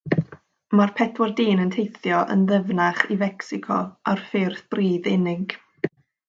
Mae'r pedwar dyn yn teithio'n ddyfnach i Fecsico ar ffyrdd pridd unig.